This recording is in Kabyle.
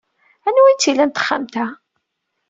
Anwa ay tt-ilan texxamt-a?